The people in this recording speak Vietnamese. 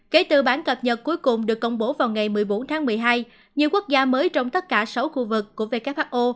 kể từ bản cập nhật cuối cùng được công bố vào ngày một mươi bốn tháng một mươi hai nhiều quốc gia mới trong tất cả sáu khu vực của who